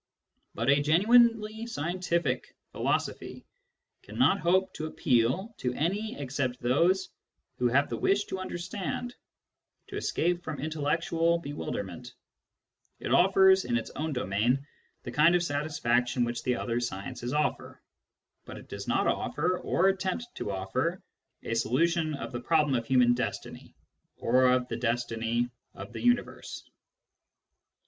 But a genuinely scientific philosophy cannot hope to appeal to any except those who have the wish to understand, to escape from Digitized by Google 1 8 SCIENTIFIC METHOD IN PHILOSOPHY intellectual bewilderment. It offers, in its own domain, the kind of satisfaction which the other sciences offer. But it does not offer, or attempt to offer, a solution of the problem of human destiny, or of the destiny of the universe.